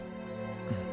うん。